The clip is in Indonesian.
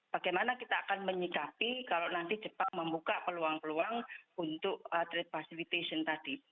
bagaimana kita akan menyikapi kalau nanti jepang membuka peluang peluang untuk trade facilitation tadi